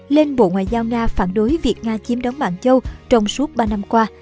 lên bộ ngoại giao nga phản đối việc nga chiếm đóng mạng châu trong suốt ba năm qua